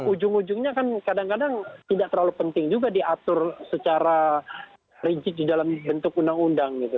ujung ujungnya kan kadang kadang tidak terlalu penting juga diatur secara rigid di dalam bentuk undang undang gitu